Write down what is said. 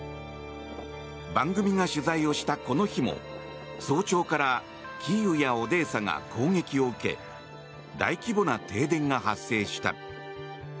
番組が取材をしたこの日も早朝からキーウや、オデーサが攻撃を受け大規模な停電が発生した。